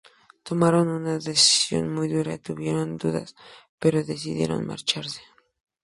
Tomaron una decisión muy dura, tuvieron dudas, pero decidieron marcharse.